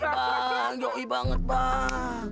bang joi banget bang